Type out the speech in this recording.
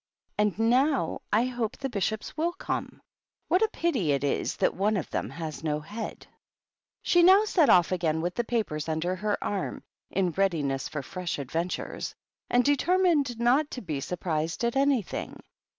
And now I hope the Bishops will come. What a pity it is that one of them has no head !" 160 THE BISHOPS. She now set off again, with the papers under her arm, in readiness for fresh adventures, and determined not to be surprised at anything.